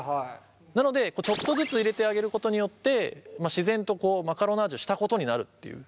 なのでちょっとずつ入れてあげることによって自然とマカロナージュしたことになるっていう。